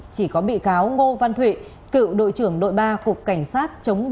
chỉ có bị cáo ngô văn thuỵ cựu đội trưởng đội ba cục cảnh sát